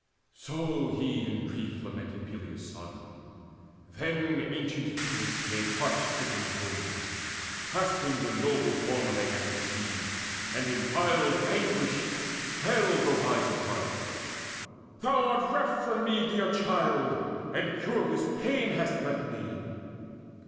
So he in grief lamented Peleus' son. Then ancient Phoenix made heart stricken moan, Clasping the noble form of Aeacus' seed, And in wild anguish wailed the wise of heart: "Thou art reft from me, dear child, and cureless pain Hast left to me!